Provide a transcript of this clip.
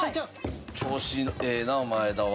調子ええなあ前田は。